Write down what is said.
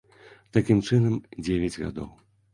Такім чынам, дзевяць гадоў.